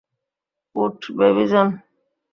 উঠ, বেবি জন!